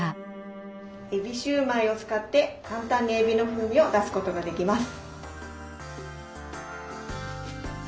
えびシューマイを使って簡単にえびの風味を出すことができます。